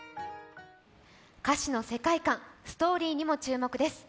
歌詞の世界観、ストーリーにも注目です。